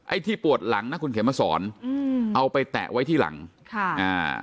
ที่ปวดหลังนะคุณเขมมาสอนอืมเอาไปแตะไว้ที่หลังค่ะอ่า